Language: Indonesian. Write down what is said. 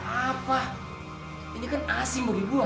apa ini kan asing bagi gua